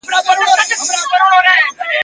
بیا به ګورو چي ستانه سي پخواني زاړه وختونه ..